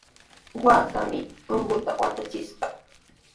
Waakaami urquta watraskishqa.